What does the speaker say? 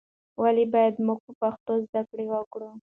ولې باید موږ په پښتو زده کړه وکړو؟